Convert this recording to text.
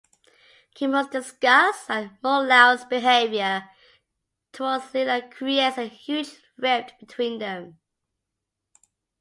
Chimo's disgust at Mouloud's behaviour towards Lila creates a huge rift between them.